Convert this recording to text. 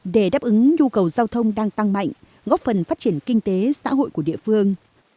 để đáp ứng nhu cầu giao thông đang tăng mạnh góp phần phát triển kinh tế xã hội của địa phương